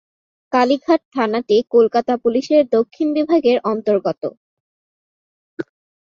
কালীঘাট থানাটি কলকাতা পুলিশের দক্ষিণ বিভাগের অন্তর্গত।